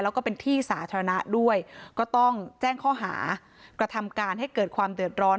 แล้วก็เป็นที่สาธารณะด้วยก็ต้องแจ้งข้อหากระทำการให้เกิดความเดือดร้อน